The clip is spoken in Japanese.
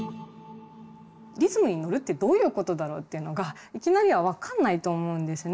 リズムにのるってどういうことだろうっていうのがいきなりは分かんないと思うんですね。